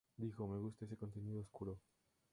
Dijo: "Me gusta ese contenido oscuro.